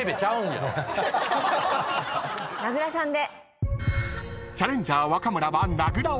［名倉さんが］